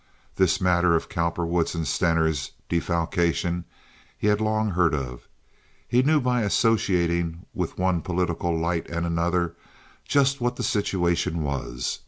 This matter of Cowperwood's and Stener's defalcation he had long heard of. He knew by associating with one political light and another just what the situation was.